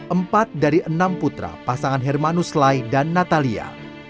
empat dari enam putra pasangan hermanus lai dan natalia